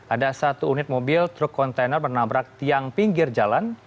ada satu unit mobil truk kontainer menabrak tiang pinggir jalan